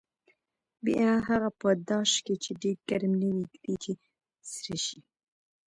بیا هغه په داش کې چې ډېر ګرم نه وي ږدي چې سره شي.